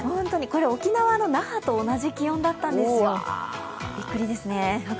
沖縄の那覇と同じ気温だったんですよ、びっくりですね。